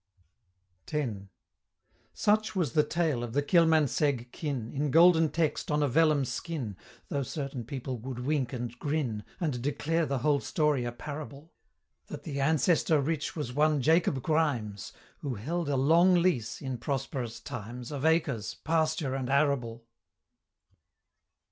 X. Such was the tale of the Kilmansegg Kin, In golden text on a vellum skin, Though certain people would wink and grin, And declare the whole story a parable That the Ancestor rich was one Jacob Ghrimes, Who held a long lease, in prosperous times, Of acres, pasture and arable.